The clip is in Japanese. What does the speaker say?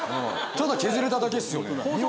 ただ削れただけっすよね。